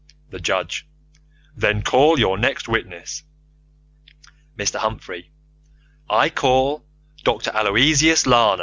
The Judge: Then call your next witness. Mr. Humphrey: I call Dr. Aloysius Lana.